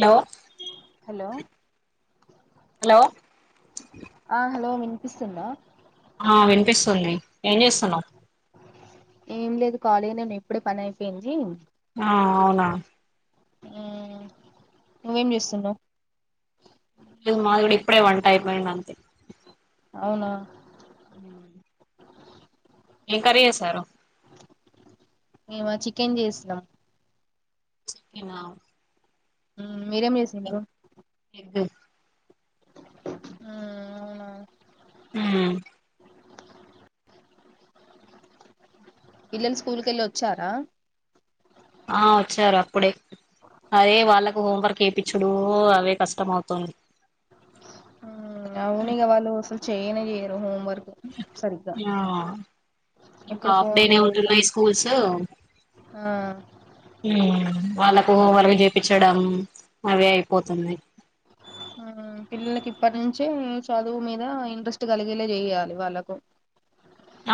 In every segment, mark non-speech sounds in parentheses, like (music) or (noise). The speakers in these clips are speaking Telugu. హాలో హలో ఆ హలో విన్పిస్తుందా ఆ విన్పిస్తుంది ఏం చేస్తున్నవు ఏం లేదు కాలీగనే నఉన్న ఇప్పుడే పనైపోయింది. ఆ అవునా మ్ నువ్వేం చేస్తున్నావ్ మాది కూడా ఇప్పుడే వంట అయిపోయింది అంతే అవునా ఉ ఎం కర్రీ చేశారు మేమ చికెన్ చేసినాం చికెనా ఉమ్ మీరేం చేసిన్రు ఎగ్ మ్ అవున ఉ పిల్లలు స్కూల్ కెళ్ళి వచ్చారా ఆ వచ్చారు అప్పుడే అవే వాళ్ళకు హోంవర్క్ చేపిచ్చుడు అవే కష్టం అవుతుంది అవును ఇగ వాళ్ళు అసలు చేయనే చేయరు హోమ్ ఆ ఇంకా ఎప్పుడు హాఫ్ డే ఫోన్లు నే ఇవి. ఉంటున్నాయి స్కూల్స్ ఆ వాళ్ళలకు హోంవర్క్ చేయిపించడం అవే అయిపోతునయ్ పిల్లకి ఇప్పటి నుంచే చదువు మీద ఇంట్రెస్ట్ కలిగేల చేయ్యాలి వాళ్ళకు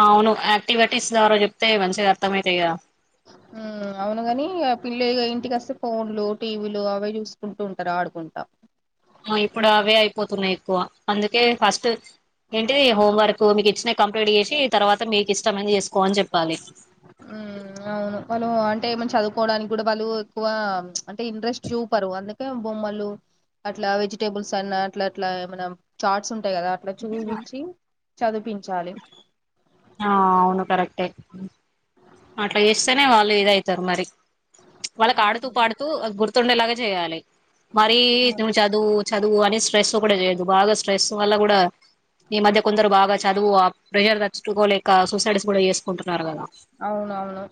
అవును యాక్టివెటీస్ ద్వారా చెప్తే మంచిగా అర్థ అవుతాయి కదా మ్ అవును గాని ఇగ పిల్ల ఇంటికి వస్తే ఫోన్లు టీవీలు అవే చూసుకుంటూ ఉంటారు ఆడుకుంటా ఇప్పుడు అవే అయిపోతున్నాయి ఎక్కువ అందుకే ఫస్ట్ ఏంటిది హోంవర్క్ మీకు ఇచ్చిన కంప్లీట్ చేసి తర్వాత మీకు ఇష్టమైది చేసుకో అని జెప్ ఉమ్ అవును వాళ్ళు అంటే ఏమన్నా చదువుకోవడానికి కూడా వాళ్ళు ఎక్కువ అంటే ఇంట్రెస్ట్ చూపరు అందుక్ అంటే బొమ్మలు అట్లా వెజిటేబుల్స్ అన్నా అట్లా అట్లా ఏమన చాట్స్ ఉం టె కదా అట్లా చూపించి చదిపించాలి ఆ అవును కరెక్ట్టె అట్లా చేస్తేనే వాళ్ళు ఇదయితరు మరి వాళ్ళకి ఆడుతూ పాడుతూ గుర్తుండేలాగ చేయాలి మరి నువు చదువు చదువు అని స్ట్రెస్ కూడ చేయదు బాగా స్ట్రెస్ వల్ల కూడా ఈ మధ్య కొందరు బాగా చదువు ఆ ప్రెషర్ తట్టుకోలేక సూసైడ్స్ కూడా చేసుకుంటున్నారు కదా అవునవును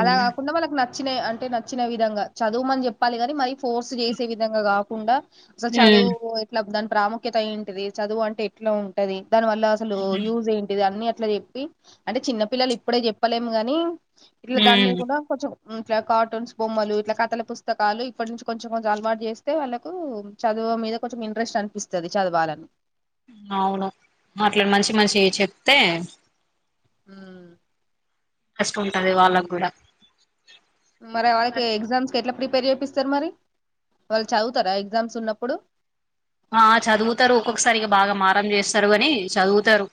అలా కాకుండా మనకు నచ్చిన అంటే నచ్చిన విధంగా చదువుమని చెప్పాలి కాని మరి ఫోర్స్ చేసే విధంగా కాకుండా అసలు చదువు ఉమ్ ఎట్లా ధన్ ప్రాముఖ్యత ఏంటిది చదువు అంటే ఎట్లా ఉంటది దాని వల్ల అసలు యూజ్ ఏంటిది అన్ని ఇట్లా చెప్పి అంటే చిన్న పిల్లలు ఇప్పుడే చెప్పలేము కానీ ఇట్లా దాని మీద ఉమ్ కూడా కొంచం ఇట్లా కార్టూన్స్ బొమ్మలు ఇట్లా కథల పుస్తకాలు ఇప్పటి నుంచి కొంచం కొంచం అలవాటు చేస్తే వాళ్ళకు చదు మీద కొంచెం ఇంట్రెస్ట్ అనిపిస్తుంది చదవాలని అవును మాట్లాడి మంచి మంచి చెప్తే ఉ కష్టం ఉంటది వాళ్ళక్కూడా మరి వాలకి ఎగ్జామ్స్ కి ఎట్లా ప్రిపేర్ చేపిస్తరు మరి వాళ్ళు చదువుతారా ఎగ్జామ్స్ ఉన్నప్పుడు ఆ చదువుతారు ఒక్కొక్కసారి బాగా మారం చేస్తారు గని చదువుతారు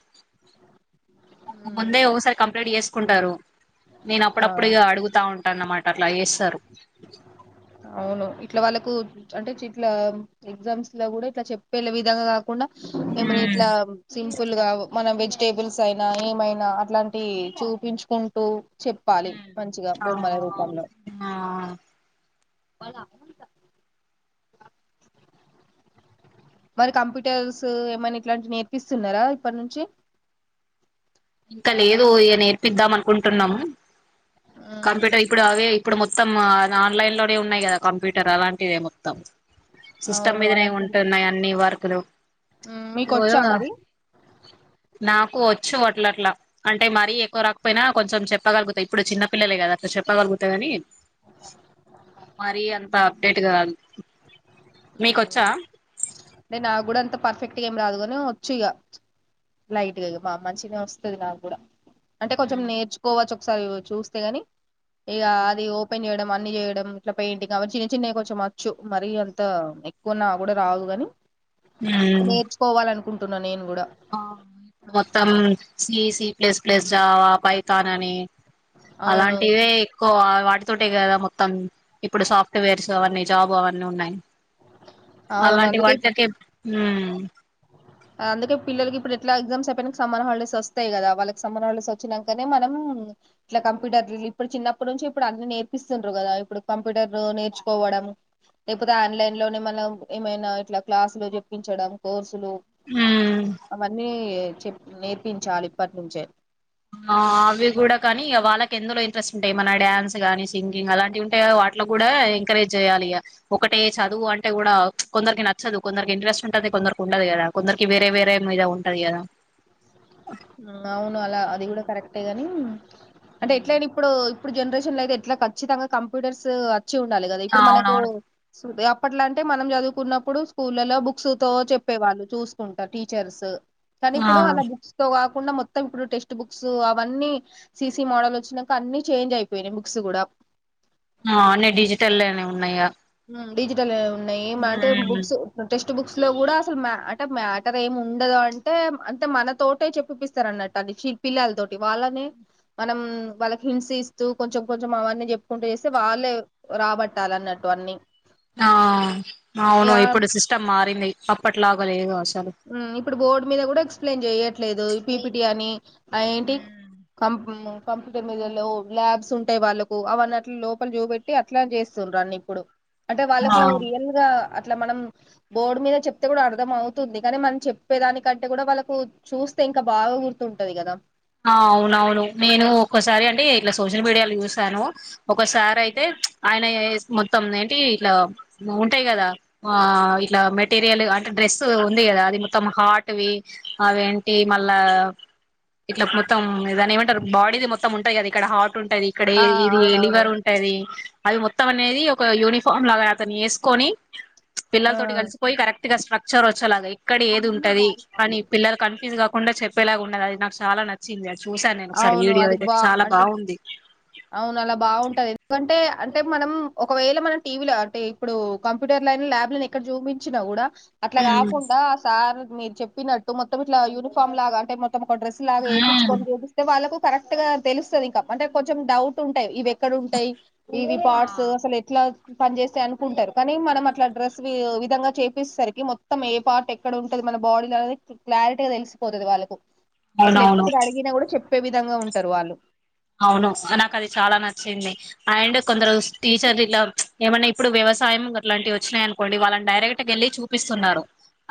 ముందే ఉమ్. ఒగసారి కంప్లేట్ జేస్కుంటారు. నేనప్పుడప్పుడిగ అడుగుతా ఉంటాన్నమాట అట్ల ఏస్ ఔను ఇట్ల వాళ్ళకు అంటె చిట్లా ఎగ్జామ్స్ లో గుడ ఇట్ల చెప్పేలె విధంగ కుండ ఏమనిట్లా సింపుల్గ మన వెజ్ టేబుల్సైనా ఏమైనా అట్లాంటి చూపించుకుంటూ చెప్పాలి మంచిగ ఆ బొమ్మల అవును రూపంలొ ఆ వాళ్ళ అముంత మరి కంప్యూటర్సూ ఏమన్నిట్లాంటి నేర్పిస్తున్నారా ఇప్పట్ నుంచి ఇంక లేదు ఇగ నేర్పిద్దాం అనుకుంటున్నం ఉమ్, కంప్యూటర్ ఇప్పుడవే ఇప్పుడు మొత్తం అ ఆన్లైన్లోనె ఉన్నయ్ గద కంప్యూటరలాంటిదె మొత్తం. సిస్టమ్ అవును మీదనే అలాంటివి ఉంటున్నాయన్ని వర్కులు ఉమ్, మీకు వచ్చా మరి (unintelligible) నాకూ ఒచ్చు వ ట్లట్ల అంటె మరీ ఎక్వ రాకపొయ్నా కొంచం చెప్పగల్గుత ఇప్పుడు చిన్న పిల్లలే గద అట్ల చెప్పగల్గుత గాని మరీ అంత అప్డేట్ గాదు మీకొచ్చా. పర్ఫెక్ట్గేమ్ రాదుగను ఒచ్చిగ లైట్గిగ మా మంచినే ఒస్తద్ నాగ్గుడ. అంటె కొంచం నేర్చుకోవచ్చ్ ఒక్సారి చూస్తే గని ఇగా మ్మ్ అది ఓపెన్ జెయ్డం వన్ని జెయ్డం ఇట్ల పెయ్ంటింగ్ అవన్ చిన్ చిన్నయ్ కొంచమచ్చు మరీ అంత ఎక్కువ నాగ్గుడ రాదు గని నేర్చుకోవాలన్కుంటున్న నేన్ ఆ ఇప్పుడు మొత్తమ్ C, C plus plus, Java, పైతానని అవును అలాంటివే ఎక్కువా వాటితోటె గదా మొత్తం ఇప్పుడు సాఫ్ట్వేర్స్ అవన్ని జాబు అవన్ని ఉన్నాయ్. అవును అలాంటి అందుకే (unintelligible) ఉమ్ అందుకె పిల్లల్ గిప్పుడిట్ల ఎగ్జమ్స్ అయ్పొయ్నింక సమ్మర్ హాల్డేసొస్తయ్ గదా వాళ్ళక్ సమ్మర్ హాల్డేసొచ్చినంకనే మనం ఉమ్ ఇట్ల కంప్యూటర్లిల్ ఇప్పుడ్ చిన్నప్పుడ్ నుంచి ఇప్పుడన్ని నేర్పిస్తుండ్రు గదా ఇప్పుడు కంప్యూటర్లు నేర్చుకోవా కొడం లేక్పొతె ఆన్లైన్లోనే మల్లవ్ ఏమైనా ఇట్ల క్లాసులు జెప్పించడం కోర్సులు. మ్మ్ అవన్నీ చెప్ నేర్పించాలిప్పట్ నుంచె ఆ అవ్వి గుడా కాని ఇగ వాళ్ళక్ ఎందులో ఇంట్రెస్టుంటయ్ ఏమన్న డ్యాన్స్ గాని సింగింగ్ అలాంటివుంటయ్ గద వా అట్ల గూడా ఎంకరేజ్ చేయ్యాలిగ ఒకటే చదువు అంటె గుడా ప్చ్ కొందర్కి నచ్చదు కొందర్కింట్రెస్టుంటది కొందర్కుండదు గదా కొందర్కి వేరే వేరే మీద ఉంటది గదా. ఊమ్ ఔను అలా అది గుడా కరెక్టె గనీ అంటె ఎట్లైనిప్పుడు ఇప్పుడ్ జన్రేషన్లైతె ఎట్ల ఖచ్చితంగ కంప్యూటర్సూ అచ్చి ఉండాలి గదా ఇప్పుడ్ మనకూ అవునవును (unintelligible) అప్పట్లంటె మనం జదువ్కున్నప్పుడు స్కూళ్లలో బుక్సుతో చెప్పేవాళ్ళు చూస్కుంట టీచర్స్ ఆ కనిప్పుడు అలా బుక్స్ తో కాకుండా మొత్తమిప్పుడు టెక్స్ట్ బుక్సూ అవన్నీ సీ సీ మాడలొచ్చినంక అన్ని చేంజైపొయ్నయ్ బుక్స్ గుడా ఆ అన్ని డిజిటల్లెనే ఉన్నయిగ ఉమ్ డిజిటలే ఉన్నయి ఏమాంటె బుక్స్ ఇప్పుడ్ టెష్ ట్ బుక్స్లొ గూడా అసల్ మ్యా అంటె మ్యాటరేముండదు అంటే అంతె మనతోటే చెప్పిపిస్తరన్నట్ట్ అ చిల్ పిల్లల్తోటి వాళ్ళనే మనమ్ వాళ్ళక్ హింట్సిస్తూ కొంచం కొంచం అవన్ని జెప్కుంటు జేస్తే వాళ్ళే రాబట్టాలన్న ట్టు అన్ని. ఆ ఇక ఔను ఇప్పుడు సిస్టమ్ మారింది అప్పట్లాగ లేదు అస్ ఉమ్ ఇప్పుడు బోడ్ మిద గుడా ఎక్స్ప్లెయ్న్ జెయ్యట్లేదు పీపిటీ అని అ ఏంటి కమ్ కంప్యూటర్ మీద లో ల్యాబ్సుంటయ్ వాళ్ళకు అవన్నట్ల లోపల్ జూపెట్టి అట్లా జేస్ తుండ్రన్నిప్పుడు అంటె ఉ వాళ్ళకూ ఆ రియల్గా అట్ల మనం బోడ్ మీద చెప్తే గుడ అర్దమవ్ తుంది కాని మన్ చెప్పేదానికంటె గుడా వాళ్ళకు చూస్తె ఇంక బాగ గుర్తుంటది గద. ఆ ఔనౌను నేను ఒక్కసారి అంటె ఇట్ల సోషల్ మీడియాలో జూసాను ఒక సారైతె ఆయ్న ఏ ఏస్ మొత్తం ఏంటి ఇట్ల మ్ ఉంటైగద ఆ ఇట్ల మెటీరియల్ అంటె డ్రెస్స్ ఉంది గదా అది మొత్తం హార్ట్ వీ అవేంటి మళ్ళా ఇట్ల మొత్తం ఇ దాన్నేమంటర్ బాడీది మొత్తం ఉంటై గదా ఇక్కడ హాట్ టుంటదిక్కడ ఆ ఏ ఇది ఏ అవునవును లివరుంటది అది మొత్తమనేది ఒక యూనిఫామ్ లాగా తను యేస్కోని ప్చ్ ఆ పిల్లల్ తోటి కల్సిపోయ్ కరెక్ట్గ స్ట్రక్చరొచ్చేలాగ అన్ని ఇక్కడేదుంటది బాడీ అని పిల్లల్ కన్ఫ్యూజ్ గా కుండ చెప్పేలాగా ఉన్నదది నాకు చాలా నచ్చింది అది చూశాను నేను ఒకసారి అవును వీడియో అది అయితే బా చాలా అంటే బాగుంది అవును అలా బాగుంటది ఎందుకంటే అంటే మనం ఒకవేళ మనం టీవీలో అంటే ఇప్పుడు కంప్యూటర్ ల్యాబ్లను ఎక్కడ చూపించినా కూడా అట్లా ఉమ్ కాకుండా ఆ సార్ మీరు చెప్పినట్టు మొత్తం ఇట్లా యూనిఫామ్ లాగా అంటే మొ త్తం ఒక డ్రెస్ లాగా ఎపిచ్చుకొని చేపిస్తే వాళ్ళకు కరెక్ట్ గా తెలుస్తది ఇంకా అంటే కొంచం డౌట్ ఉంటాయి ఈ వ్యక్ ఎక్కడ ఉంటాయి ఇవి పార్ట్స్ అసలు ఎట్లా పని చేేస్తయ్ అనుకుంటారు కానీ మనం అట్లా డ్రెస్ వి విధంగా చేపిచ్ సరికి మొత్తం ఏ పార్ట్ ఎక్కడ ఉంటంది మన బాడీలో అనేది క్లారిటీగా తెలిసిపోతది వాళ్ళకు అసలు అవునవును ఎప్పుడు అడిగినా కూడా చెప్పే విధంగా ఉంటారు వాళ్ళు అవును నాకు అది చాలా నచ్చింది అండ్ కొందరు స్ టీచర్ ఇలా ఏమన్నా ఇప్పుడు వ్యవసాయం గట్లాంటివి వచ్చినయి అనుకోండి వాళ్ళని డైరెక్ట్ గా వెళ్లి చూపిస్తున్నారు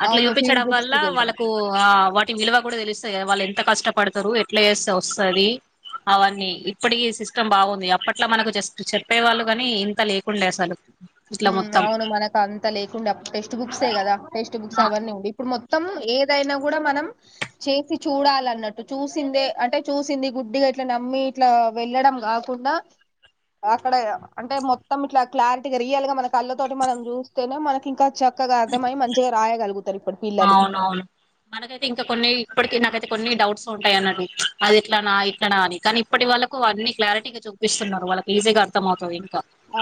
అట్లా అవును. ఫీల్డ్ చూపించడం వల్ల ట్రిప్స్‌కెళ్తాం. వాళ్ళకు ఆ వ్ టి విలువ గుడా తెలుస్త గాద వాళ్ళు ఎంత కష్టపడుతారు ఎట్లా చేస్తె వస్తది అవన్నీ ఇప్పటికి సిస్టమ్ బాగుంది అప్పట్లో మనకు జస్ట్ చెప్పే వాళ్ళు గాని ఇంత లేకుండే అసలు ఇట్లా మ్ మొత్తం అవును మనకు అంత లేకుండే టెక్స్ట్ బుక్సే కదా టెక్స్ట్ బుక్స్ ఆ అవన్ని ఉండే ఇప్పుడు మొత్ త్తం ఏదైనా గుడా మనం చేసి చూడాలన్నట్టు చూసిందే అంటే చూసింది గుడ్డిగా ఇట్లా నమ్మి ఇట్లా వెళ్ళడం గాకుండా అక్కడ అంటే మొత్తం ఇట్లా క్లారిటీ రియల్ గా మన కళ్ళ తోటి మనం చూస్తేనే మనకింకా చెప్ పిల్లలు అవునవును మనకైతే ఇంకా కొన్ని ఇప్పటికి నాకై కొన్ని డౌట్స్ ఉంటాయి అన్నట్టు అది ఇట్లానా ఇట్లానా అని కానీ ఇప్పటి వాళ్ళకు అన్ని క్లారిటీగా చూపిస్తున్నారు వాళ్ళకి ఈజీగా అర్థం అవుతది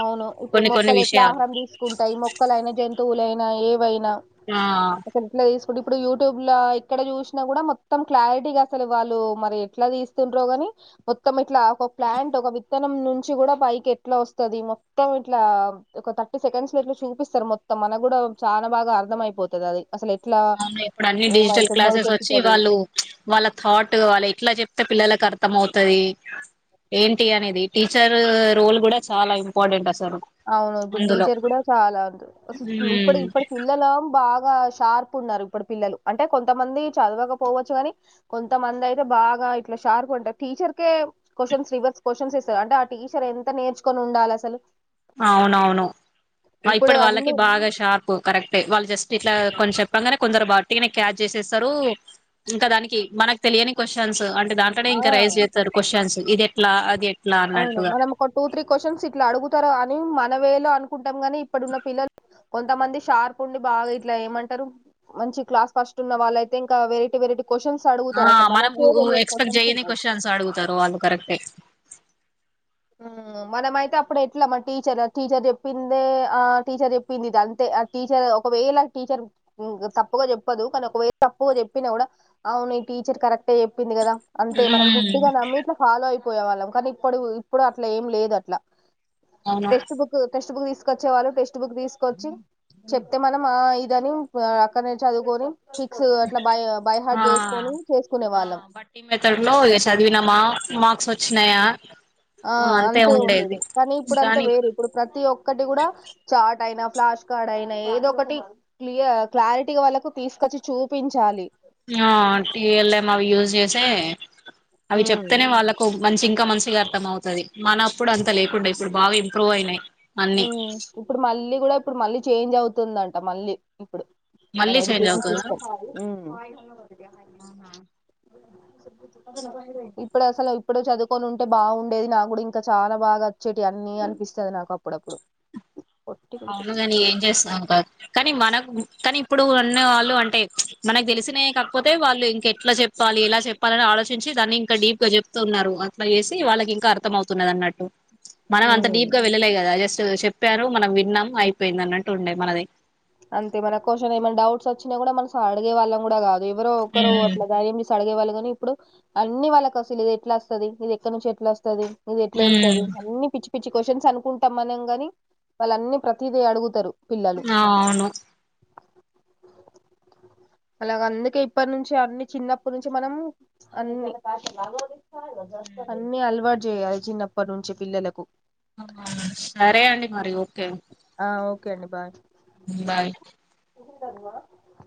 అవును ఇప్పుడు మొక్కలు ఎట్లా ఆహారం తీసుకుంటాయి మొక్కలైనా జంతువులైనా ఏవైన్ న ఆ ఎట్ల తీస్ ఇప్పుడు ఇప్పుడు యూట్యూబ్ ల ఇక్కడ చూసినా కూడా మొత్తం క్లారిటీగా అసలు వాళ్ళు మరి ఎట్లా తీస్తుండ్రో గాని మొత్తం ఇట్లా ఒక ప్లాంట్ ఒక విత్తనం నుంచి గుడా పైకి ఎట్లా వస్ తది మొత్తం ఇట్లా ఒక థర్టీ సెకండ్స్ లో ఇట్లా చూపిస్తారు మొత్తం మనకు కూడా చానా బాగా అర్థమై పోతదది అసల్ అవును ఇప్పుడు అన్ని డిజిటల్ క్లాసెస్ వచ్చి వాళ్ళు వాళ్ళ థాట్ వాళ్ళు ఎట్లా చెప్తే పిల్లలక్ అర్థం అవుతది ఏంటి అనేది టీచర్ రోల్ గుడా చాలా ఇంపార్టెంట్ అస్ అవును ఇప్పుడు టీచర్ గుడా చాలా ఉంట్ అసల్ ఇప్పుడ్ ఉమ్, ఇప్పటి పిల్లల బాగా షార్ప్ ఉన్నారు ఇప్పుడి పిల్లలు అంటే కొంతమంది చదవకపోవచ్చు కాని కొంతమంది అయితే బాగా ఇట్లా షార్క్ ఉంటారు టీచర్కే క్వశ్చన్స్ రివర్స్ క్వశ్చన్స్ ఇస్తారు అంటే ఆటీచర్ ఎంత నేర్చుకొని ఉండాలి అసలు అవునవును ఇప్పుడు ఇప్పుడి వాళ్ళకి అన్నీ బాగా షార్ప్ కరెక్టే వాళ్ళు జస్ట్ ఇట్లా కొన్ చెప్పంగానే కొందరు బట్టిగానే క్యాచ్ చేసేస్తారు ఇంకా దానికి మనకు తెలియని క్వశ్చన్స్ అం దాంట్లోనే ఆ! ఇంకా రైజ్ చేస్తారు క్వశ్చన్స్ ఇదేట్లా అదే అవును మనం ఒక టూ త్రీ క్వశ్చన్స్ ఇట్లా అడుగుతారా అని మన వేళ అనుకుం టం కాని ఇప్పుడున్న పిల్లల్ కొంతమంది షార్ప్ ఉండి బాగా ఇట్లా ఏమంటారు మంచి క్లాస్ ఫస్ట్ ఉన్న వాలైతే ఇంకా వెరైటీ వెరైట్ క్వశ్చన్స్ ఆ అడుగుతారు అసలు మనం మనకె తెలియని ఎక్స్పెక్ట్ క్వశ్చన్స్ చేయని ఉంటాయి క్వశ్చన్స్ అడుగుతారు వాళ్ళు కరెక్టే మ్ మనమైతే అప్పుడు ఎట్లా మన టీచర్ టీచర్ చెప్పిందే ఆ టీచర్ చెప్పింది ఇది అంతే ఆ టీచర్ ఒకవేళ టీచర్ తప్పుగా చెప్పదు కానీ ఒకవేళ తప్పుగా చెప్పినా కూడా అవున్ మీ టీచర్ కరెక్టే చెప్పింది కదా అంతే మనం ఉమ్ గుడ్డిగా నమ్మి ఇట్లా ఫాలో అయిపోయే వాళ్ళం కానీ ఇప్పుడు ఇప్పుడు అట్లా ఏం లేదు అట్లా అవును టెస్ట్ బుక్ టెస్ట్ బుక్ తీసు వచ్చే వాళ్ళు టెక్స్ట్ బుక్ తీసుకొచ్చి చెప్తే మనం ఆ ఇదని అక్కడనే చదువుకొని ఫిక్స్ అట్లా బై బై ఆ హార్ట్ చేసుకొని చేసుకునే వాళ్ళం బట్టి మె తర్లో చదివినమ మార్క్స్ వచ్చినయా ఆ అంతే ఉండేది కానీ ఇప్పుడంతా వేరు ఇప్పుడు ప్రతి ఒక్కటి కూడా చాట్ అయిన ఫ్లాష్ కార్డ్ అయిన ఏదో ఒకటి క్లియ క్లారిటీ వాళ్ళకు తీసుకొచ్చి చూపించాలి ఆ టీఎల్ఎం అవి యూజ్ చేసే అవి ఉమ్ చెప్తేనే వాళ్ళకు మంచి ఇంకా మంచిగా అర్థం అవుతది. మనప్పుడు అంత లేకుండే ఇప్పుడు బాగా అంత ఇంప్రూవ్ అయినయ్. ఉ ఇప్పుడు మళ్ళీ గూడా ఇప్పుడు మళ్ళీ చేంజ్ అవుతుందంట మళ్ళీ ఇప్పుడు మన మళ్ళీ చేంజ్ ఎడుకేషన్ అవుతదా సిస్టమ్ ఉ ఇప్పుడు అసలు ఇప్పుడు చదువుకొని ఉంటే బావుండేది. నా గూడా ఇంకా చాలా బాగా వచ్చేటి అ న్నీ అనిపిస్తది నాకు అప్పుడప్పుడు అవునుగని ఏం చేస్తాం ఇంక కానీ మనకు కానీ ఇప్పుడు ఉన్నవాళ్ళు అంటే మనకు తెలిసినవే కాకపోతే వాళ్ళు ఇంక ఎట్లా చెప్పాలి ఎలా చెప్ పలి ఆలోచించి దాన్ని ఇంకా డీప్ గా చెప్తతున్నారు అట్లా చేసి వాళ్ళకి ఇంకా అర్థం అవుతున్నది అన్నట్టు మనం అంత ఉమ్ డీప్ గా వెళ్ళలే కదా జస్ట్ చెప్పారు మనం విన్నాం అయిపోయింది అన్నట్టు ఉండె మనది. అంతే మన క్యూషన్ ఏమన్నా డౌట్స్ వచ్చిన గుడ మనం అడిగే వాళ్ళం గూడా గాదు. ఎవరో ఒకరు అట్ల దయం చేసి అడిగే వాల్ అని ఇప్పుడు అన్ని వాళ్ళకి అసలు ఇది ఎట్లా అస్తది ఇది ఎక్కడ నుంచి ఎట్లా వస్తది ఇది ఎట్లా ఉమ్ ఎల్తది అన్ని పిచ్చి పిచ్చి క్వశ్చన్స్ అనుకుంటాం మనం గాని వాళ్ళు అన్ని ప్రతీదీ అడుగుతారు. పిల్లలు ఆ అవును అలగ అందుకే ఇప్పటి నుంచి అన్ని చిన్నప్పటి నుంచి మనం అన్ని అన్ని అలవాట్ చేయాలి చిన్నప్పటి నుంచి పిల్లలకు. సరే అండి మరి ఓ ఆ ఓకే అండి బాయ్ బాయ్ మెషిన్ కడ నే ఉన్నవ?